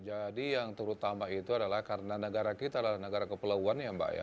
jadi yang terutama itu adalah karena negara kita adalah negara kepelauan ya mbak ya